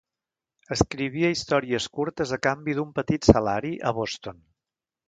Escrivia històries curtes a canvi d'un petit salari a Boston.